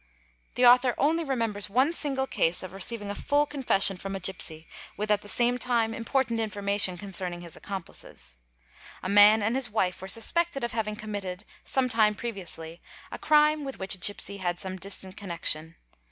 The author only remembers one single case of receiving a full confession from a gipsy with at the same time important information concerning his accomplices. A man and his wife were suspected of having committed, some time previously, a crime with which a gipsy had some distant connection.